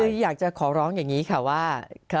คืออยากจะขอร้องอย่างนี้ค่ะว่า